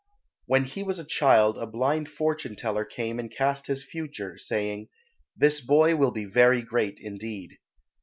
When he was a child a blind fortune teller came and cast his future, saying, "This boy will be very great indeed."